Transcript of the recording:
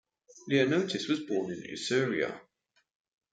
Leontios was born in Isauria.